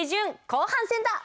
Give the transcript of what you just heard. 後半戦だ！